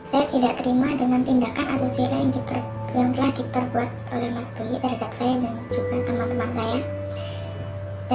saya tidak terima dengan tindakan asosialnya yang diperintahkan